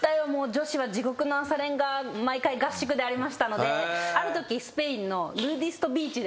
女子は地獄の朝練が毎回合宿でありましたのであるときスペインのヌーディストビーチで合宿をしていたんですよ。